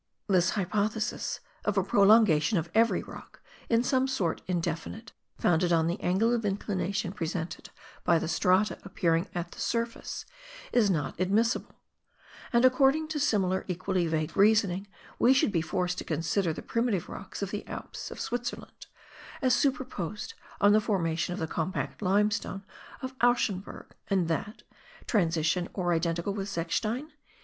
This hypothesis of a prolongation of every rock, in some sort indefinite, founded on the angle of inclination presented by the strata appearing at the surface, is not admissible; and according to similar equally vague reasoning we should be forced to consider the primitive rocks of the Alps of Switzerland as superposed on the formation of the compact limestone of Achsenberg, and that [transition, or identical with zechstein?